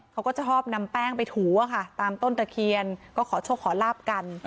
เขาก็จะชอบนำแป้งไปถูอะค่ะตามต้นตะเคียนก็ขอโชคขอลาบกัน